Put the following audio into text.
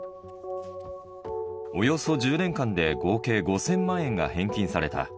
およそ１０年間で合計５０００万円が返金された。